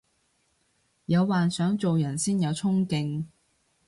有幻想做人先有沖勁